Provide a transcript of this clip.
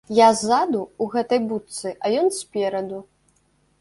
Я ззаду, ў гэтай будцы, а ён спераду.